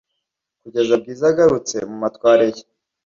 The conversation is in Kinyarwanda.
kugeza bwiza agarutse mumatware ye